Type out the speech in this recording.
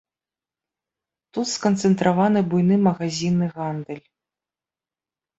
Тут сканцэнтраваны буйны магазінны гандаль.